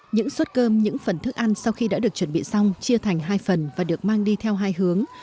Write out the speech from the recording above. những suất cơm những phần thức ăn sau khi đã được chuẩn bị xong chia thành hai phần và được mang đi theo hai hướng